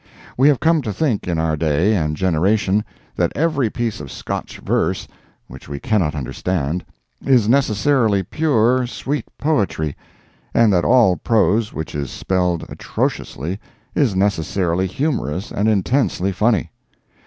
We have come to think, in our day and generation, that every piece of Scotch verse which we cannot understand is necessarily pure, sweet poetry, and that all prose which is spelled atrociously is necessarily humorous and intensely funny.